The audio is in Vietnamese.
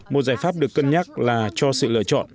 một giải pháp được cân nhắc là cho sự lựa chọn